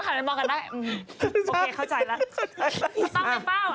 หนูก็พาพี่บอสพูดเสร็จหนูก็ตามแล้วบอกกันได้